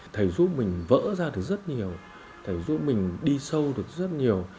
thầy giúp mình vỡ ra được rất nhiều thầy giúp mình đi sâu được rất nhiều